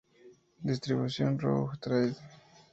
Distribución: Rough Trade.